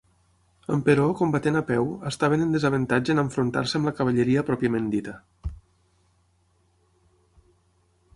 Emperò, combatent a peu, estaven en desavantatge en enfrontar-se amb la cavalleria pròpiament dita.